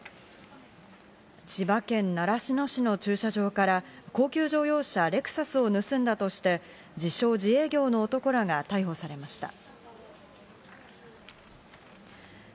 千葉県習志野市の駐車場から高級乗用車、レクサスを盗んだとして、自称自営業の男らが逮捕されました。